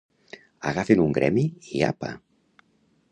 Agafen un gremi i apa!